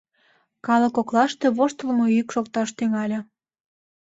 Калык коклаште воштылмо йӱк шокташ тӱҥале.